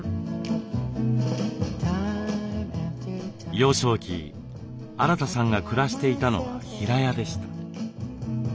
幼少期アラタさんが暮らしていたのは平屋でした。